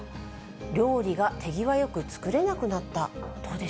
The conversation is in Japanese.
料理が手際よく作れなくなった。